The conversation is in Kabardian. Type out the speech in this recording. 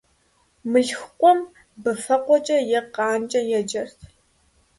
Мылъхукъуэм быфэкъуэкӏэ, е къанкӀэ еджэрт.